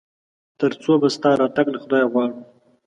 تر څو به ستا راتګ له خدايه غواړو ؟